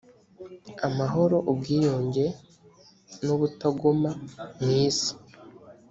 amahoro ubwiyunge n ubutagoma mu isi